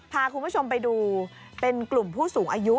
พาคุณผู้ชมไปดูเป็นกลุ่มผู้สูงอายุ